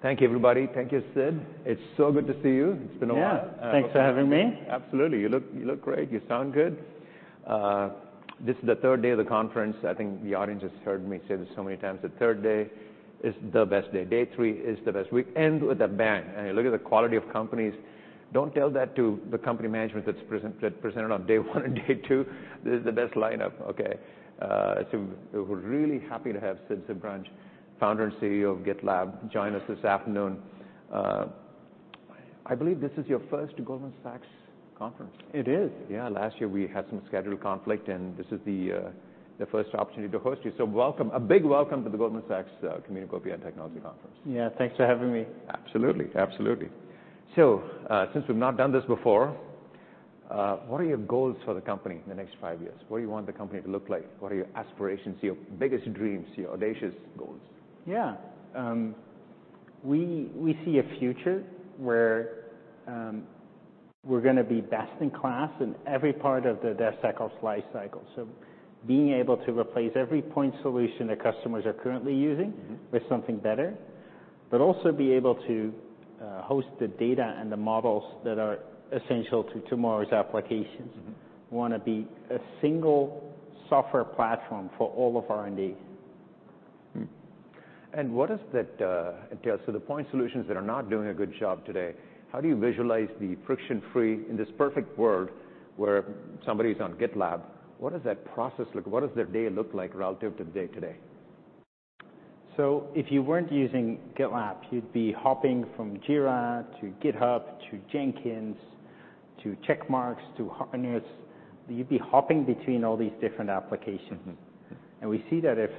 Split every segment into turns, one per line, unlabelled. Thank you, everybody. Thank you, Sid. It's so good to see you. It's been a while.
Yeah, thanks for having me.
Absolutely. You look, you look great. You sound good. This is the third day of the conference. I think the audience has heard me say this so many times: the third day is the best day. Day three is the best. We end with a bang, and you look at the quality of companies. Don't tell that to the company management that's present—that presented on day one and day two, this is the best lineup. Okay. So we're really happy to have Sid Sijbrandij, founder and CEO of GitLab, join us this afternoon. I believe this is your first Goldman Sachs conference.
It is.
Yeah. Last year we had some schedule conflict, and this is the first opportunity to host you. So welcome, a big welcome to the Goldman Sachs Communications and Technology Conference.
Yeah, thanks for having me.
Absolutely. Absolutely. So, since we've not done this before, what are your goals for the company in the next five years? What do you want the company to look like? What are your aspirations, your biggest dreams, your audacious goals?
Yeah. We see a future where we're gonna be best in class in every part of the Dev cycle, SDLC. So being able to replace every point solution that customers are currently using-
Mm-hmm.
with something better, but also be able to host the data and the models that are essential to tomorrow's applications.
Mm-hmm.
We wanna be a single software platform for all of R&D.
And what is that? So the point solutions that are not doing a good job today, how do you visualize the friction-free in this perfect world, where somebody's on GitLab, what does that process look—what does their day look like relative to the day-to-day?
So if you weren't using GitLab, you'd be hopping from Jira to GitHub, to Jenkins, to Checkmarx, to Honeycomb. You'd be hopping between all these different applications.
Mm-hmm.
We see that if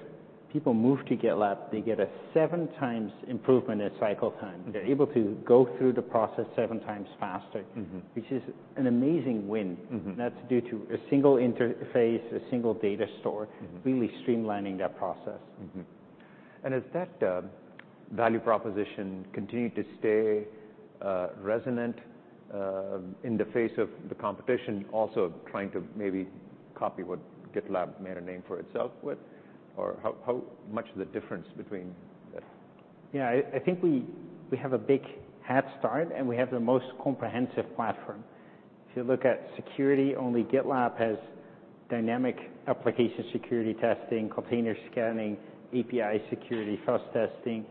people move to GitLab, they get a 7x improvement in cycle time.
Mm-hmm.
They're able to go through the process seven times faster-
Mm-hmm
which is an amazing win.
Mm-hmm.
That's due to a single interface, a single data store-
Mm-hmm
really streamlining that process.
Mm-hmm. And has that value proposition continued to stay resonant in the face of the competition, also trying to maybe copy what GitLab made a name for itself with? Or how, how much is the difference between that?
Yeah, I think we have a big head start, and we have the most comprehensive platform. If you look at security, only GitLab has dynamic application security testing, container scanning, API security, fuzz testing.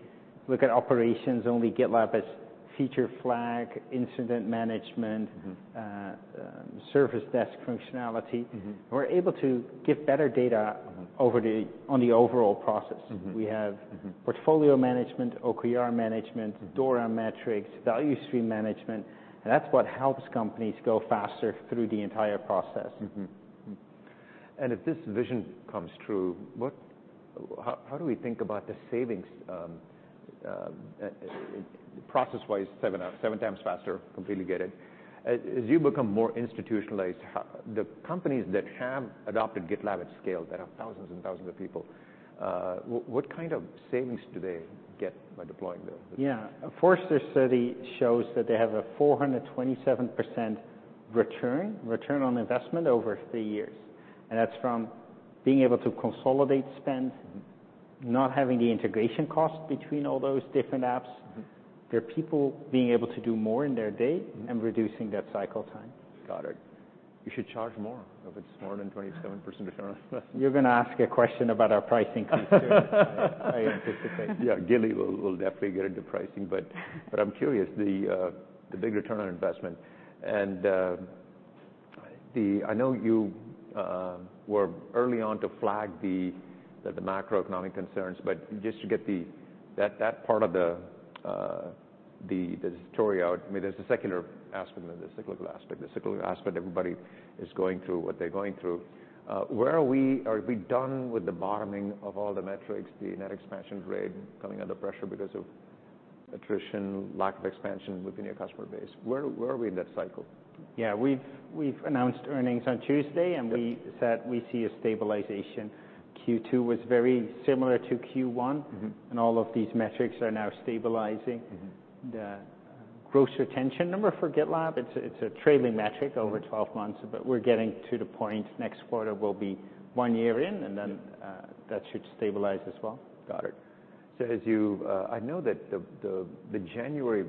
Look at operations, only GitLab has feature flag, incident management-
Mm-hmm...
Service Desk functionality.
Mm-hmm.
We're able to give better data-
Mm-hmm
over the, on the overall process.
Mm-hmm.
We have-
Mm-hmm
Portfolio management, OKR management, DORA metrics, value stream management, and that's what helps companies go faster through the entire process.
Mm-hmm. Mm. And if this vision comes true, what... How, how do we think about the savings, process-wise, 7, 7 times faster? Completely get it. As, as you become more institutionalized, how the companies that have adopted GitLab at scale, that have thousands and thousands of people, what, what kind of savings do they get by deploying them?
Yeah. A Forrester study shows that they have a 427% return, return on investment over 3 years, and that's from being able to consolidate spend-
Mm-hmm...
not having the integration cost between all those different apps.
Mm-hmm.
There are people being able to do more in their day-
Mm-hmm
and reducing that cycle time.
Got it. You should charge more if it's more than 27% return on investment.
You're gonna ask a question about our pricing future. I anticipate.
Yeah, Gili will definitely get into pricing, but I'm curious, the big return on investment and the... I know you were early on to flag the macroeconomic concerns, but just to get that part of the story out, I mean, there's a secular aspect of it, the cyclical aspect. The cyclical aspect, everybody is going through what they're going through. Where are we? Are we done with the bottoming of all the metrics, the net expansion rate coming under pressure because of attrition, lack of expansion within your customer base? Where are we in that cycle?
Yeah, we've announced earnings on Tuesday-
Yep...
and we said we see a stabilization. Q2 was very similar to Q1.
Mm-hmm.
All of these metrics are now stabilizing.
Mm-hmm.
The gross retention number for GitLab, it's a trailing metric over 12 months, but we're getting to the point, next quarter will be 1 year in, and then-
Yep
That should stabilize as well.
Got it. So as you, I know that the January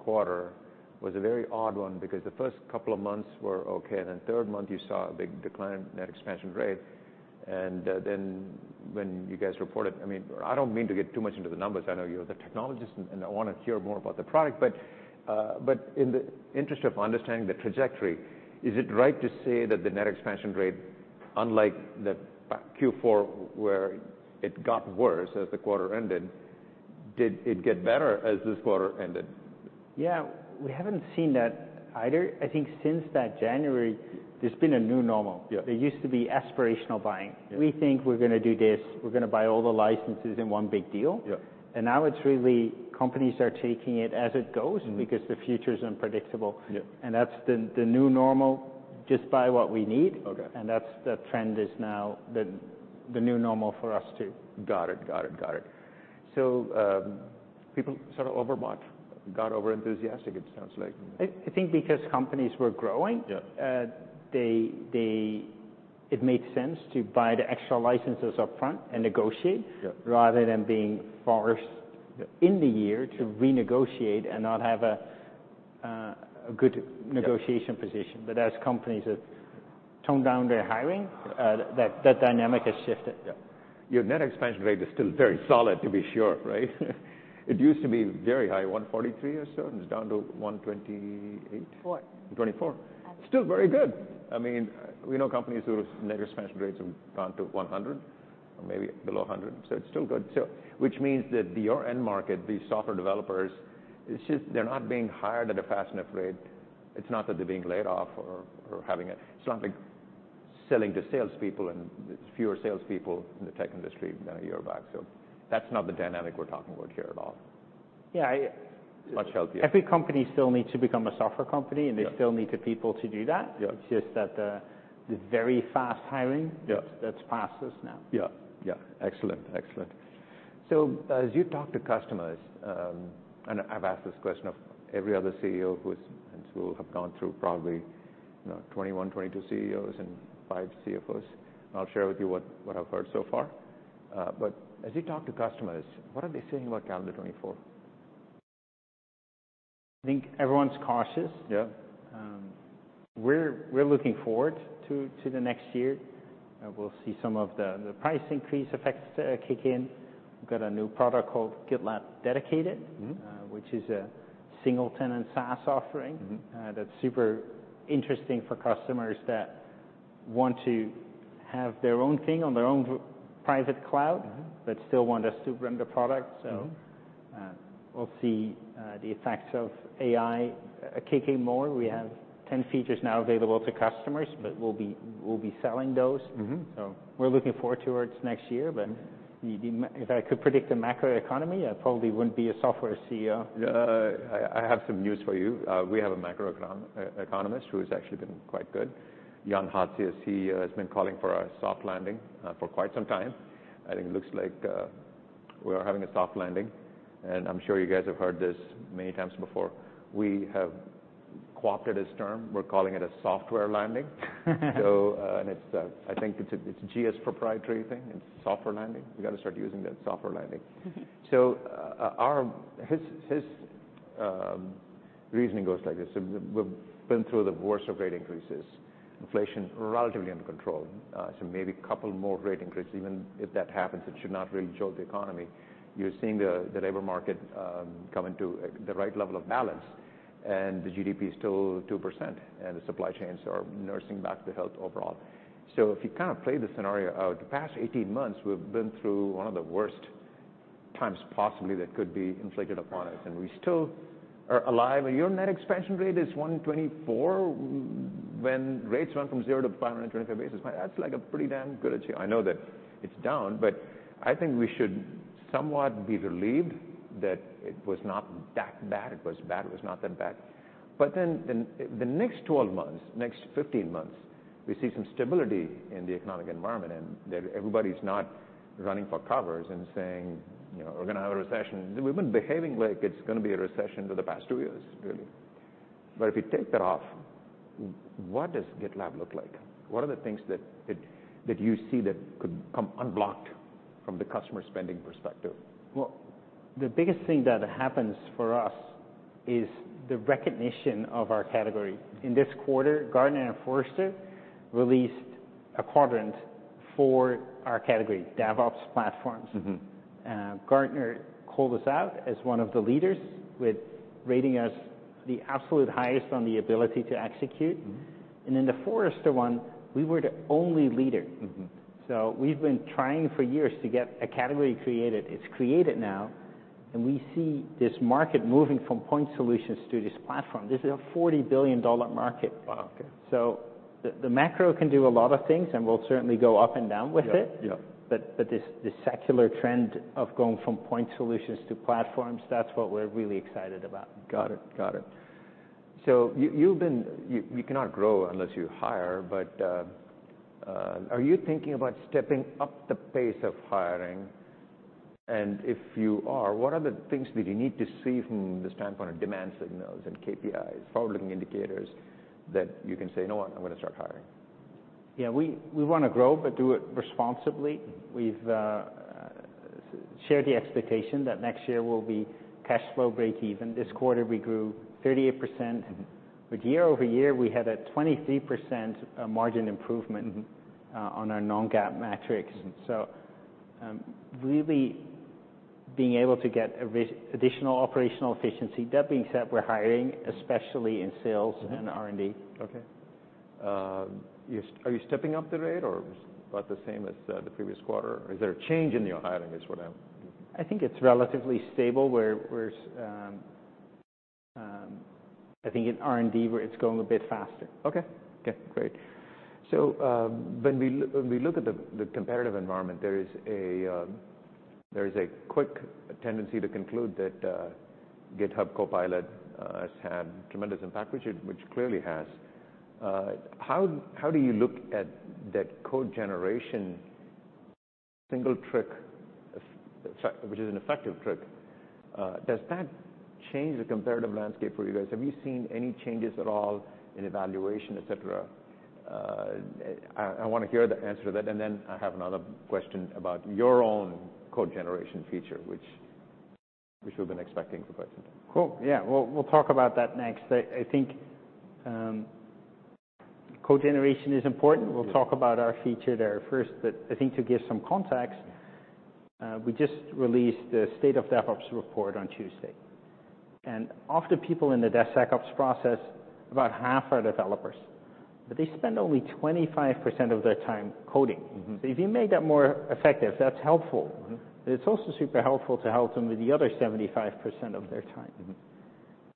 quarter was a very odd one because the first couple of months were okay, and then third month you saw a big decline in net expansion rate. Then when you guys reported—I mean, I don't mean to get too much into the numbers. I know you're the technologist, and I wanna hear more about the product, but in the interest of understanding the trajectory, is it right to say that the net expansion rate, unlike the Q4, where it got worse as the quarter ended, did it get better as this quarter ended?
Yeah, we haven't seen that either. I think since that January, there's been a new normal.
Yeah.
It used to be aspirational buying.
Yeah.
We think we're gonna do this, we're gonna buy all the licenses in one big deal.
Yeah.
Now it's really, companies are taking it as it goes-
Mm-hmm
-because the future's unpredictable.
Yeah.
That's the new normal, just buy what we need.
Okay.
And that's the trend is now the new normal for us, too.
Got it. Got it. Got it. People sort of overbought, got overenthusiastic, it sounds like.
I think because companies were growing-
Yeah ...
it made sense to buy the extra licenses upfront and negotiate-
Yeah.
rather than being forced
Yeah
in the year to renegotiate and not have a good-
Yeah
negotiation position. But as companies have toned down their hiring, that dynamic has shifted.
Yeah. Your net expansion rate is still very solid, to be sure, right? It used to be very high, 143 or so, and it's down to 128?
Four.
Twenty-four.
Absolutely.
Still very good. I mean, we know companies whose net expansion rates have gone to 100 or maybe below 100, so it's still good. So which means that your end market, these software developers, it's just they're not being hired at a fast enough rate. It's not that they're being laid off or, or having a-- It's not like selling to salespeople, and there's fewer salespeople in the tech industry than a year back. So that's not the dynamic we're talking about here at all.
Yeah, I-
Much healthier.
Every company still needs to become a software company-
Yeah
and they still need the people to do that.
Yeah.
It's just that the very fast hiring-
Yeah
That's passed us now.
Yeah. Yeah. Excellent. Excellent. So as you talk to customers, and I've asked this question of every other CEO and so we'll have gone through probably, you know, 21, 22 CEOs and five CFOs, and I'll share with you what, what I've heard so far. But as you talk to customers, what are they saying about calendar 2024?
I think everyone's cautious.
Yeah.
We're looking forward to the next year. We'll see some of the price increase effects kick in. We've got a new product called GitLab Dedicated-
Mm-hmm...
which is a single-tenant SaaS offering.
Mm-hmm.
That's super interesting for customers that want to have their own thing on their own private cloud-
Mm-hmm
but still want us to run the product.
Mm-hmm.
We'll see the effects of AI kicking more. We have 10 features now available to customers, but we'll be, we'll be selling those.
Mm-hmm.
We're looking forward toward next year, but if I could predict the macroeconomy, I probably wouldn't be a software CEO.
I have some news for you. We have a macroeconomist who has actually been quite good, Jan Hatzius. He has been calling for a soft landing for quite some time. I think it looks like we are having a soft landing, and I'm sure you guys have heard this many times before. We have co-opted his term. We're calling it a software landing. It's a GS proprietary thing. It's software landing. We've got to start using that, software landing. His reasoning goes like this: So we've been through the worst of rate increases, inflation relatively under control, so maybe a couple more rate increases. Even if that happens, it should not really jolt the economy. You're seeing the labor market coming to the right level of balance, and the GDP is still 2%, and the supply chains are nursing back to health overall. So if you kind of play the scenario out, the past 18 months, we've been through one of the worst times possibly that could be inflicted upon us, and we still are alive. And your net expansion rate is 124, when rates run from 0 to 525 basis points, that's like a pretty damn good achieve-- I know that it's down, but I think we should somewhat be relieved that it was not that bad. It was bad. It was not that bad. But then, then the next 12 months, next 15 months, we see some stability in the economic environment and that everybody's not running for covers and saying, "You know, we're gonna have a recession." We've been behaving like it's gonna be a recession for the past 2 years, really. But if you take that off, what does GitLab look like? What are the things that, that, that you see that could come unblocked from the customer spending perspective?
Well, the biggest thing that happens for us is the recognition of our category. In this quarter, Gartner and Forrester released a quadrant for our category, DevOps platforms.
Mm-hmm.
Gartner called us out as one of the leaders, with rating us the absolute highest on the ability to execute.
Mm-hmm.
In the Forrester one, we were the only leader.
Mm-hmm.
We've been trying for years to get a category created. It's created now, and we see this market moving from point solutions to this platform. This is a $40 billion market.
Wow, okay.
The macro can do a lot of things, and we'll certainly go up and down with it.
Yeah, yeah.
But this secular trend of going from point solutions to platforms, that's what we're really excited about.
Got it. Got it. So you cannot grow unless you hire, but are you thinking about stepping up the pace of hiring? And if you are, what are the things that you need to see from the standpoint of demand signals and KPIs, forward-looking indicators, that you can say, "You know what? I'm gonna start hiring"?
Yeah, we wanna grow, but do it responsibly.
Mm-hmm.
We've shared the expectation that next year will be cash flow breakeven. This quarter, we grew 38%.
Mm-hmm.
Year-over-year, we had a 23% margin improvement on our non-GAAP metrics.
Mm-hmm.
So, really being able to get additional operational efficiency. That being said, we're hiring, especially in sales-
Mm-hmm
-and R&D.
Okay. Are you stepping up the rate or about the same as the previous quarter? Is there a change in your hiring, is what I'm...
I think it's relatively stable. I think in R&D, where it's growing a bit faster.
Okay. Okay, great. So, when we look at the competitive environment, there is a quick tendency to conclude that GitHub Copilot has had tremendous impact, which clearly has. How do you look at that code generation single trick, which is an effective trick, does that change the competitive landscape for you guys? Have you seen any changes at all in evaluation, et cetera? I wanna hear the answer to that, and then I have another question about your own code generation feature, which we've been expecting for quite some time.
Cool. Yeah, we'll talk about that next. I think code generation is important.
Mm-hmm.
We'll talk about our feature there first. But I think to give some context, we just released the State of DevOps Report on Tuesday, and often people in the DevSecOps process, about half are developers, but they spend only 25% of their time coding.
Mm-hmm.
If you make that more effective, that's helpful.
Mm-hmm.
But it's also super helpful to help them with the other 75% of their time.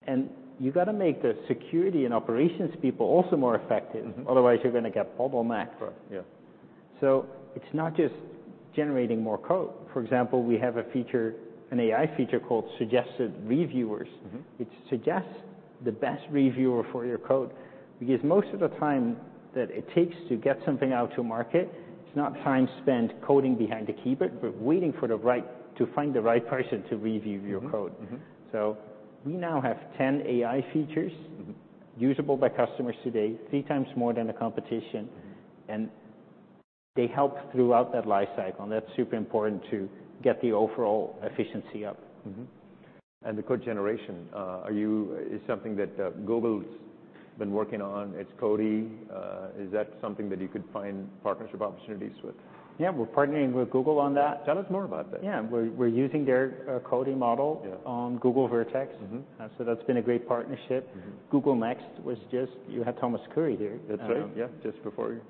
Mm-hmm.
You've gotta make the security and operations people also more effective-
Mm-hmm.
Otherwise, you're gonna get bottlenecks.
Right. Yeah.
It's not just generating more code. For example, we have a feature, an AI feature called Suggested Reviewers.
Mm-hmm.
It suggests the best reviewer for your code, because most of the time that it takes to get something out to market, it's not time spent coding behind the keyboard, but waiting to find the right person to review your code.
Mm-hmm. Mm-hmm.
We now have 10 AI features-
Mm-hmm...
usable by customers today, 3 times more than the competition.
Mm-hmm.
They help throughout that life cycle, and that's super important to get the overall efficiency up.
Mm-hmm. And the code generation, is something that Google's been working on, its coding. Is that something that you could find partnership opportunities with?
Yeah. We're partnering with Google on that.
Tell us more about that.
Yeah. We're using their coding model-
Yeah...
on Google Vertex.
Mm-hmm.
So that's been a great partnership.
Mm-hmm.
Google Next was just... You had Thomas Kurian here.
That's right. Yeah, just before, yeah.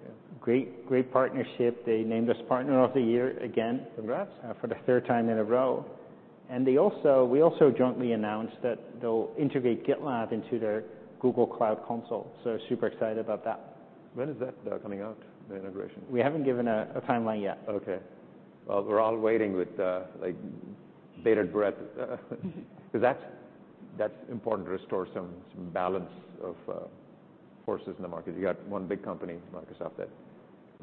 Great, great partnership. They named us Partner of the Year again-
Congrats...
for the third time in a row. And they also, we also jointly announced that they'll integrate GitLab into their Google Cloud Console, so super excited about that.
When is that coming out, the integration?
We haven't given a timeline yet.
Okay. Well, we're all waiting with like bated breath, because that's important to restore some balance of forces in the market. You got one big company, Microsoft, that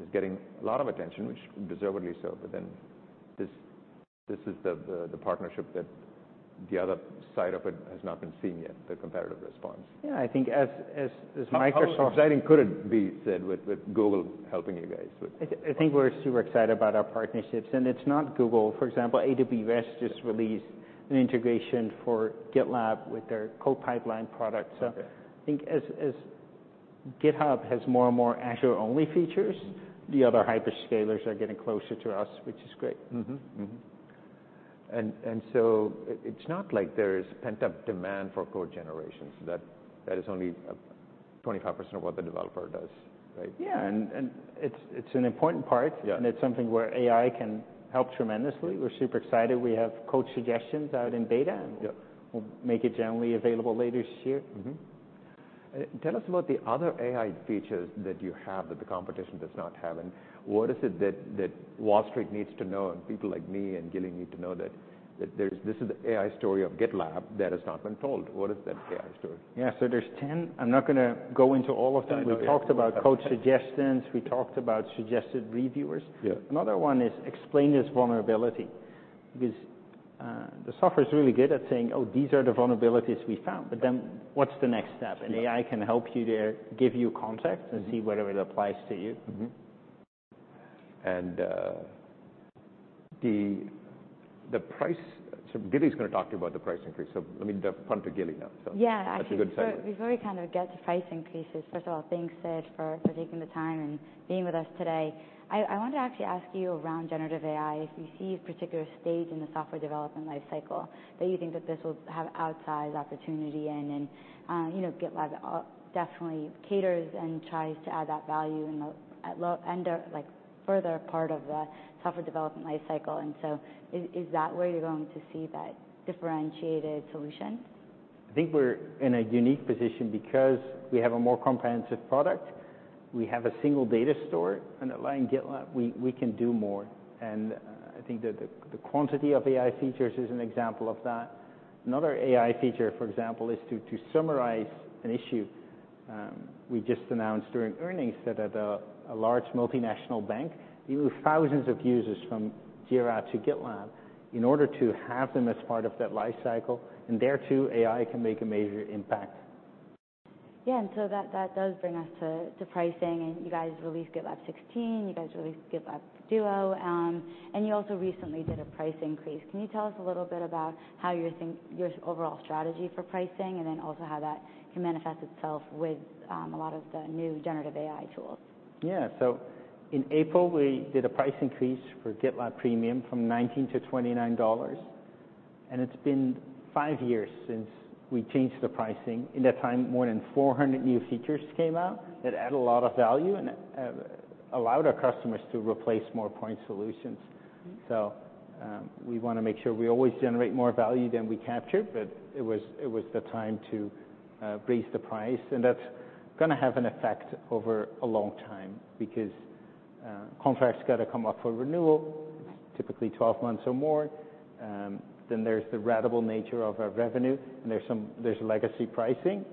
is getting a lot of attention, which deservedly so, but then this is the partnership that the other side of it has not been seen yet, the competitive response.
Yeah, I think as Microsoft-
How exciting could it be, Sid, with Google helping you guys with?
I think we're super excited about our partnerships, and it's not Google. For example, AWS just released an integration for GitLab with their CodePipeline product.
Okay.
So I think as GitHub has more and more Azure-only features.
Mm-hmm...
the other hyperscalers are getting closer to us, which is great.
Mm-hmm. Mm-hmm. So it's not like there is pent-up demand for code generations; that is only 25% of what the developer does, right?
Yeah, and it's an important part.
Yeah.
It's something where AI can help tremendously.
Yeah.
We're super excited. We have Code Suggestions out in beta, and-
Yeah...
we'll make it generally available later this year.
Mm-hmm. Tell us about the other AI features that you have that the competition does not have, and what is it that Wall Street needs to know, and people like me and Gili need to know, that there's, this is the AI story of GitLab that has not been told. What is that AI story?
Yeah. So there's 10. I'm not gonna go into all of them.
No. Yeah.
We talked about Code Suggestions. We talked about suggested reviewers.
Yeah.
Another one is Explain This Vulnerability, because the software is really good at saying, "Oh, these are the vulnerabilities we found," but then what's the next step?
Yeah.
AI can help you there, give you context-
Mm-hmm...
and see whether it applies to you.
Mm-hmm. And, the price... So Gili's gonna talk to you about the price increase, so I mean, punt to Gili now. So-
Yeah, actually-
That's a good segment....
before we kind of get to price increases, first of all, thanks, Sid, for taking the time and being with us today. I want to actually ask you around generative AI, if you see a particular stage in the software development life cycle that you think that this will have outsized opportunity in, and, you know, GitLab definitely caters and tries to add that value in the, at lo-- and the, like, further part of the software development life cycle. Is that where you're going to see that differentiated solution?
I think we're in a unique position because we have a more comprehensive product. We have a single data store, and at GitLab, we can do more, and I think that the quantity of AI features is an example of that. Another AI feature, for example, is to summarize an issue. We just announced during earnings that at a large multinational bank, you move thousands of users from Jira to GitLab in order to have them as part of that life cycle, and there, too, AI can make a major impact.
Yeah, and so that does bring us to pricing. And you guys released GitLab 16, you guys released GitLab Duo, and you also recently did a price increase. Can you tell us a little bit about your overall strategy for pricing, and then also how that can manifest itself with a lot of the new generative AI tools?
Yeah. In April, we did a price increase for GitLab Premium from $19 to $29, and it's been five years since we changed the pricing. In that time, more than 400 new features came out-
Mm-hmm...
that add a lot of value and allowed our customers to replace more point solutions.
Mm-hmm.
So, we wanna make sure we always generate more value than we capture. But it was the time to raise the price, and that's gonna have an effect over a long time because contracts gotta come up for renewal.
Right...
typically 12 months or more. Then there's the ratable nature of our revenue, and there's legacy pricing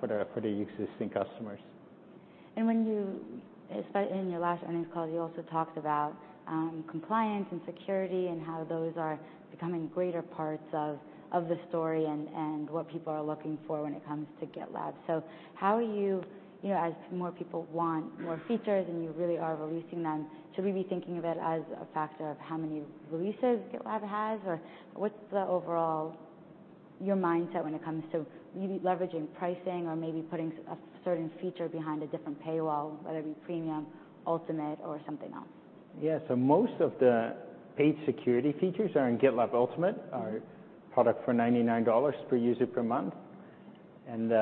for the existing customers....
And when you, in your last earnings call, you also talked about compliance and security, and how those are becoming greater parts of the story, and what people are looking for when it comes to GitLab. So how are you, you know, as more people want more features, and you really are releasing them, should we be thinking of it as a factor of how many releases GitLab has? Or what's the overall your mindset when it comes to maybe leveraging pricing or maybe putting a certain feature behind a different paywall, whether it be premium, ultimate or something else?
Yeah. So most of the paid security features are in GitLab Ultimate, our product for $99 per user per month. And,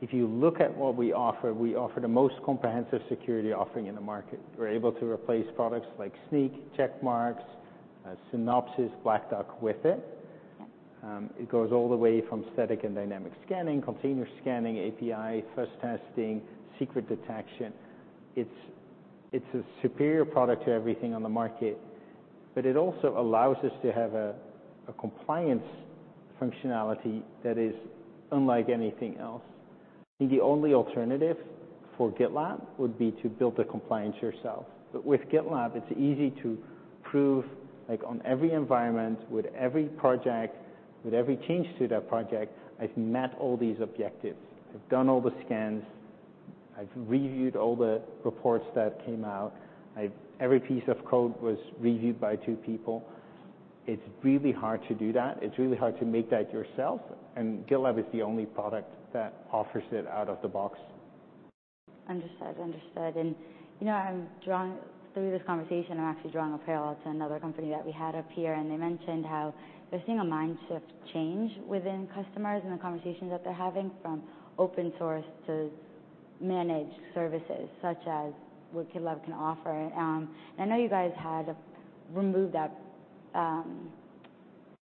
if you look at what we offer, we offer the most comprehensive security offering in the market. We're able to replace products like Snyk, Checkmarx, Synopsys, Black Duck with it.
Yep.
It goes all the way from static and dynamic scanning, container scanning, API, fuzz testing, secret detection. It's, it's a superior product to everything on the market, but it also allows us to have a, a compliance functionality that is unlike anything else. I think the only alternative for GitLab would be to build the compliance yourself, but with GitLab, it's easy to prove, like, on every environment, with every project, with every change to that project, I've met all these objectives. I've done all the scans. I've reviewed all the reports that came out. I've every piece of code was reviewed by two people. It's really hard to do that. It's really hard to make that yourself, and GitLab is the only product that offers it out of the box.
Understood. Understood. You know, I'm drawing... Through this conversation, I'm actually drawing a parallel to another company that we had up here, and they mentioned how they're seeing a mind shift change within customers and the conversations that they're having, from open source to managed services such as what GitLab can offer. And I know you guys had to remove that,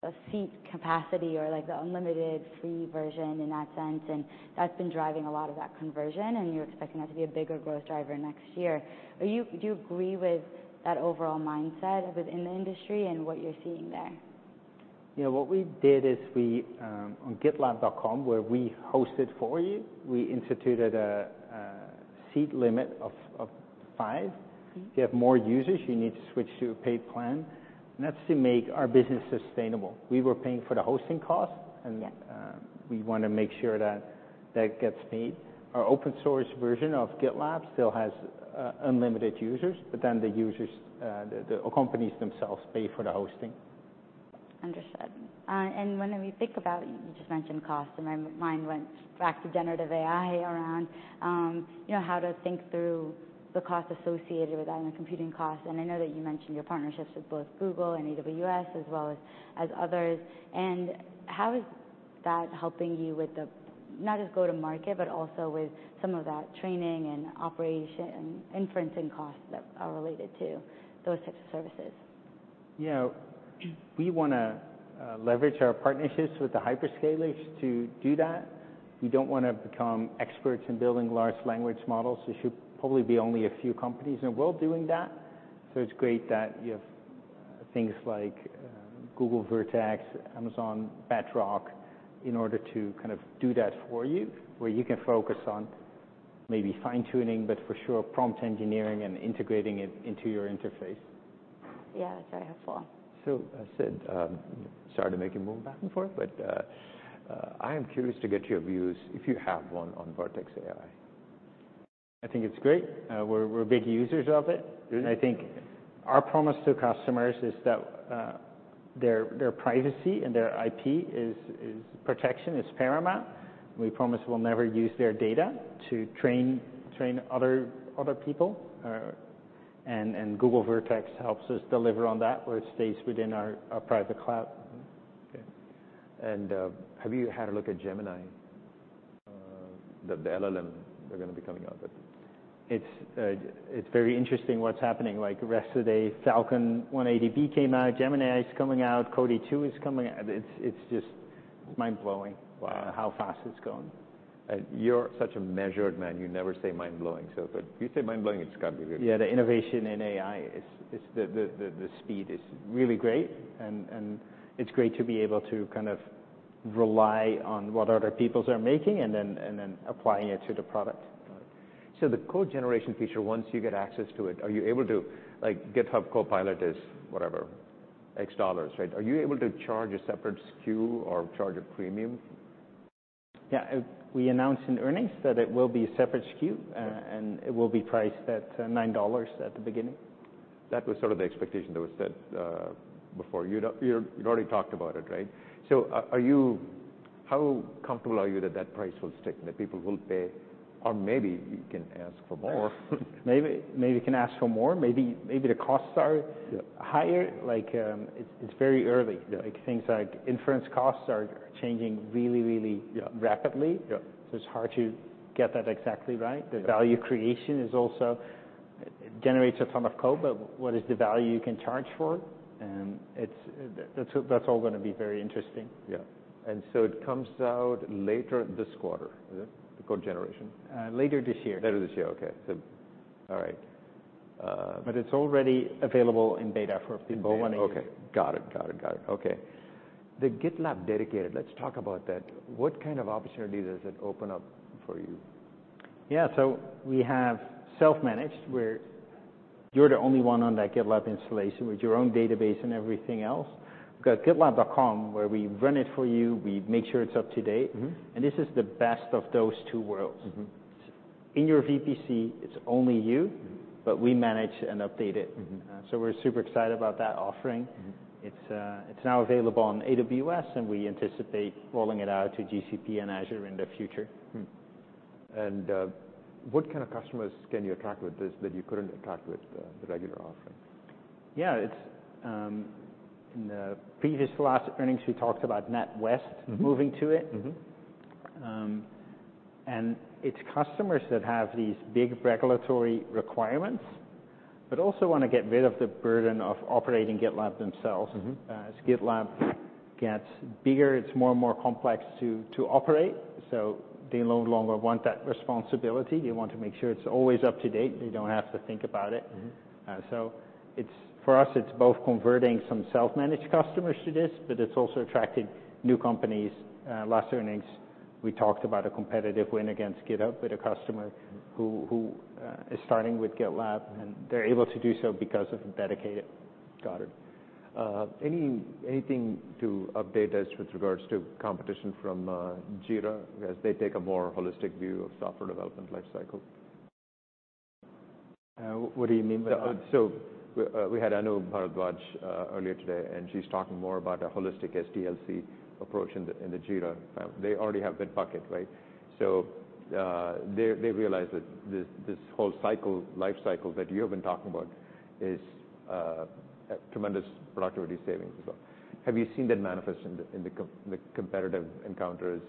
a seat capacity or, like, the unlimited free version in that sense, and that's been driving a lot of that conversion, and you're expecting that to be a bigger growth driver next year. Are you-- do you agree with that overall mindset within the industry and what you're seeing there?
You know, what we did is we on GitLab.com, where we host it for you, we instituted a seat limit of five.
Mm-hmm.
If you have more users, you need to switch to a paid plan, and that's to make our business sustainable. We were paying for the hosting costs-
Yeah...
and we want to make sure that that gets paid. Our open source version of GitLab still has unlimited users, but then the users, the companies themselves pay for the hosting.
Understood. And when we think about, you just mentioned cost, and my mind went back to Generative AI around, you know, how to think through the cost associated with that and the computing cost. And I know that you mentioned your partnerships with both Google and AWS, as well as others. And how is that helping you with the, not just go-to-market, but also with some of that training and operation, and inferencing costs that are related to those types of services?
You know, we wanna leverage our partnerships with the hyperscalers to do that. We don't want to become experts in building large language models. There should probably be only a few companies in the world doing that. So it's great that you have things like, Google Vertex, Amazon Bedrock, in order to kind of do that for you, where you can focus on maybe fine-tuning, but for sure, prompt engineering and integrating it into your interface.
Yeah, that's very helpful.
So I Sid, sorry to make you move back and forth, but, I am curious to get your views, if you have one, on Vertex AI.
I think it's great. We're big users of it.
Really?
I think our promise to customers is that their privacy and their IP protection is paramount. We promise we'll never use their data to train other people, and Google Vertex helps us deliver on that, where it stays within our private cloud.
Okay. And, have you had a look at Gemini, the LLM that are gonna be coming out with?
It's, it's very interesting what's happening, like, rest of the day, Falcon 180B came out, Gemini is coming out, Claude 2 is coming out. It's, it's just mind-blowing-
Wow!
how fast it's going.
You're such a measured man, you never say mind-blowing, so, but you say mind-blowing, it's got to be really-
Yeah, the innovation in AI is the speed is really great, and it's great to be able to kind of rely on what other peoples are making and then applying it to the product.
So the code generation feature, once you get access to it, are you able to... like, GitHub Copilot is whatever, X dollars, right? Are you able to charge a separate SKU or charge a premium?
Yeah. We announced in earnings that it will be a separate SKU-
Yeah
It will be priced at $9 at the beginning.
That was sort of the expectation that was set before. You'd already talked about it, right? So, how comfortable are you that that price will stick, that people will pay, or maybe you can ask for more?
Maybe, maybe we can ask for more. Maybe, maybe the costs are-
Yeah
Higher. Like, it's very early.
Yeah.
Like, things like inference costs are changing really, really-
Yeah
- rapidly.
Yeah.
So it's hard to get that exactly right.
Yeah.
The value creation is also generates a ton of code, but what is the value you can charge for? And it's, that's, that's all gonna be very interesting.
Yeah. And so it comes out later this quarter, is it, the code generation?
Later this year.
Later this year. Okay. So all right....
But it's already available in beta for people wanting it.
Okay. Got it. Got it, got it. Okay. The GitLab Dedicated, let's talk about that. What kind of opportunity does it open up for you?
Yeah, so we have self-managed, where you're the only one on that GitLab installation with your own database and everything else. We've got GitLab.com, where we run it for you, we make sure it's up to date.
Mm-hmm.
This is the best of those two worlds.
Mm-hmm.
In your VPC, it's only you-
Mm-hmm.
But we manage and update it.
Mm-hmm.
We're super excited about that offering.
Mm-hmm.
It's, it's now available on AWS, and we anticipate rolling it out to GCP and Azure in the future.
Mm-hmm. And, what kind of customers can you attract with this that you couldn't attract with the, the regular offering?
Yeah, it's in the previous last earnings, we talked about NatWest-
Mm-hmm.
Moving to it.
Mm-hmm.
And it's customers that have these big regulatory requirements, but also want to get rid of the burden of operating GitLab themselves.
Mm-hmm.
As GitLab gets bigger, it's more and more complex to operate, so they no longer want that responsibility. They want to make sure it's always up to date, they don't have to think about it.
Mm-hmm.
So it's for us, it's both converting some self-managed customers to this, but it's also attracting new companies. Last earnings, we talked about a competitive win against GitHub with a customer who is starting with GitLab, and they're able to do so because of dedicated.
Got it. Anything to update us with regards to competition from Jira, as they take a more holistic view of software development life cycle?
What do you mean by that?
So we had Anu Bharadwaj earlier today, and she's talking more about a holistic SDLC approach in the Jira. They already have Bitbucket, right? So they realize that this whole cycle, life cycle that you have been talking about is a tremendous productivity savings as well. Have you seen that manifest in the competitive encounters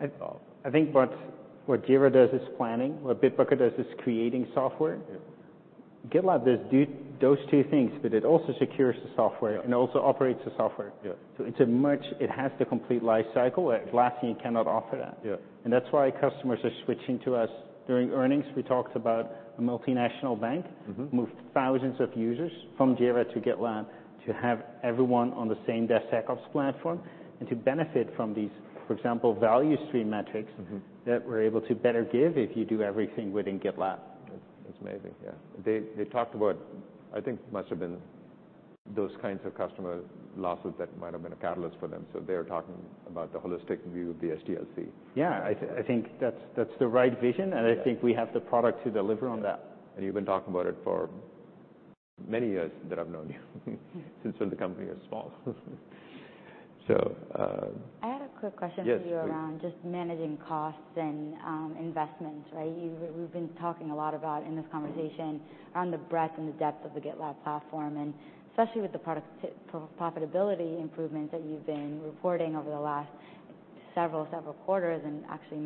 at all?
I think what Jira does is planning. What Bitbucket does is creating software.
Yeah.
GitLab does do those two things, but it also secures the software and also operates the software.
Yeah.
So it has the complete life cycle, Atlassian cannot offer that.
Yeah.
That's why customers are switching to us. During earnings, we talked about a multinational bank-
Mm-hmm.
moved thousands of users from Jira to GitLab to have everyone on the same DevSecOps platform, and to benefit from these, for example, value stream metrics.
Mm-hmm
that we're able to better give if you do everything within GitLab.
That's amazing. Yeah. They talked about, I think must have been those kinds of customer losses that might have been a catalyst for them, so they're talking about the holistic view of the SDLC.
Yeah, I think that's, that's the right vision, and I think we have the product to deliver on that.
Yeah. And you've been talking about it for many years that I've known you, since when the company was small. So,
I had a quick question-
Yes, please.
For you around just managing costs and, investments, right? We've been talking a lot about, in this conversation, around the breadth and the depth of the GitLab platform, and especially with the product profitability improvements that you've been reporting over the last several quarters and actually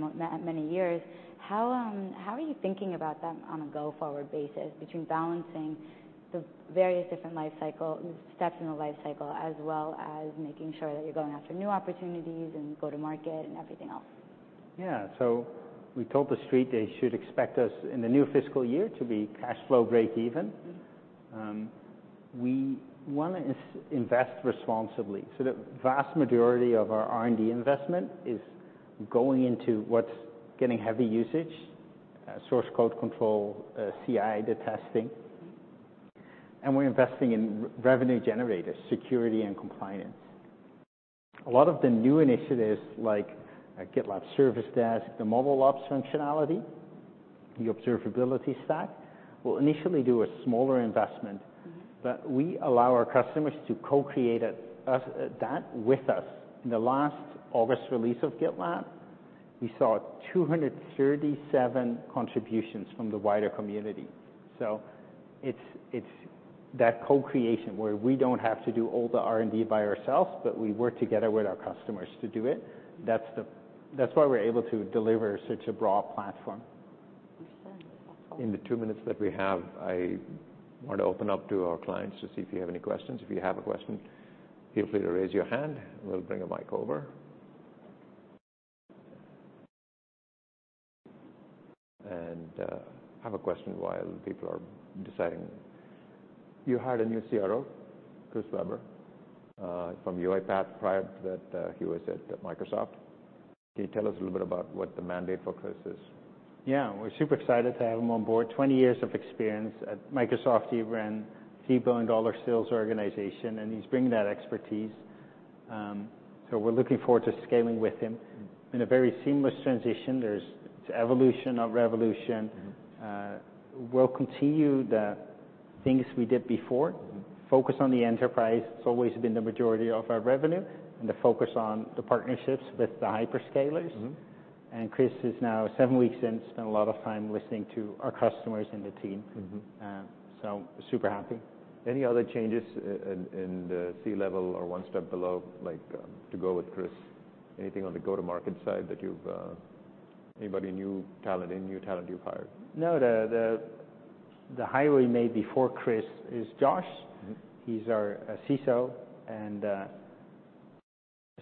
many years. How, how are you thinking about them on a go-forward basis, between balancing the various different life cycle, steps in the life cycle, as well as making sure that you're going after new opportunities and go-to-market and everything else?
Yeah. So we told the street they should expect us, in the new fiscal year, to be cash flow breakeven.
Mm-hmm.
We wanna invest responsibly. So the vast majority of our R&D investment is going into what's getting heavy usage, source code control, CI, the testing.
Mm-hmm.
And we're investing in revenue generators, security and compliance. A lot of the new initiatives, like GitLab's Service Desk, the Mobile Ops functionality, the observability stack, we'll initially do a smaller investment.
Mm-hmm.
But we allow our customers to co-create it with us. In the last August release of GitLab, we saw 237 contributions from the wider community. So it's that co-creation, where we don't have to do all the R&D by ourselves, but we work together with our customers to do it. That's why we're able to deliver such a broad platform.
Mm-hmm.
In the two minutes that we have, I want to open up to our clients to see if you have any questions. If you have a question, feel free to raise your hand; we'll bring a mic over. And I have a question while people are deciding. You hired a new CRO, Chris Weber, from UiPath. Prior to that, he was at Microsoft. Can you tell us a little bit about what the mandate for Chris is?
Yeah. We're super excited to have him on board. 20 years of experience at Microsoft. He ran a few billion-dollar sales organization, and he's bringing that expertise. So we're looking forward to scaling with him in a very seamless transition. There is. It's evolution, not revolution.
Mm-hmm.
We'll continue the things we did before.
Mm-hmm.
Focus on the enterprise, it's always been the majority of our revenue, and the focus on the partnerships with the hyperscalers.
Mm-hmm.
Chris is now seven weeks in. Spent a lot of time listening to our customers and the team.
Mm-hmm.
So super happy.
Any other changes in the C-level or one step below, like, to go with Chris? Anything on the go-to-market side that you've... Anybody, new talent, any new talent you've hired?
No, the hire we made before Chris is Josh.
Mm-hmm.
He's our CISO, and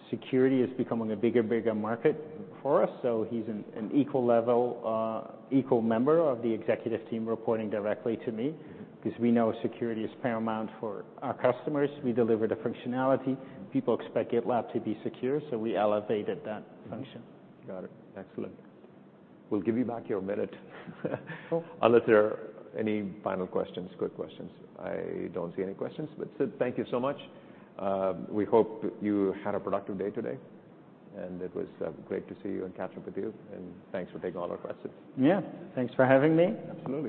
security is becoming a bigger and bigger market for us, so he's an equal level, equal member of the executive team, reporting directly to me.
Mm-hmm.
Because we know security is paramount for our customers. We deliver the functionality. People expect GitLab to be secure, so we elevated that function.
Mm-hmm. Got it. Excellent. We'll give you back your minute.
Cool.
Unless there are any final questions. Quick questions? I don't see any questions. But Sid, thank you so much. We hope you had a productive day today, and it was great to see you and catch up with you. And thanks for taking all our questions.
Yeah, thanks for having me.
Absolutely.